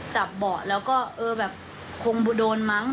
เบาะแล้วก็เออแบบคงโดนมั้ง